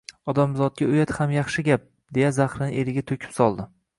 Odamzotga uyat ham yaxshi gap, deya zahrini eriga to`kib soldi